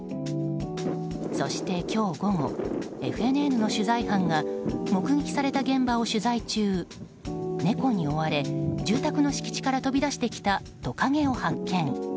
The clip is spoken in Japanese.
そして、今日午後ＦＮＮの取材班が目撃された現場を取材中猫に追われ住宅の敷地から飛び出してきたトカゲを発見。